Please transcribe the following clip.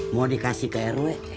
mau dikasih ke rw